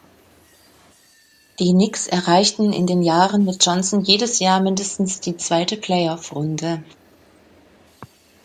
Die Knicks erreichten in den Jahren mit Johnson jedes Jahr mindestens die zweite Playoff-Runde.